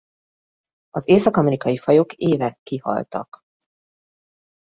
Az észak-amerikai fajok éve kihaltak.